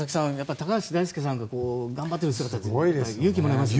高橋大輔さんが頑張っている姿勇気もらえますよね。